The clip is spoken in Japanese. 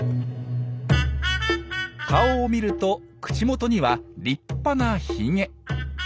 顔を見ると口元には立派なヒゲ。